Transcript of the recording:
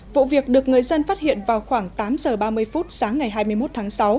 vụ việc được người dân phát hiện vào khoảng tám giờ ba mươi phút sáng ngày hai mươi một tháng sáu